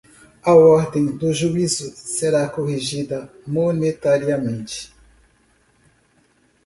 à ordem do juízo será corrigida monetariamente